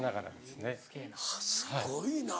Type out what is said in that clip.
すごいな。